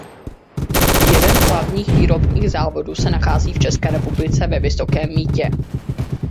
Jeden z hlavních výrobních závodů se nachází v České republice ve Vysokém Mýtě.